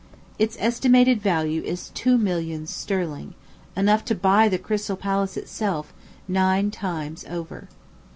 Its estimated value is two millions sterling enough to buy the Crystal Palace itself, nine times over.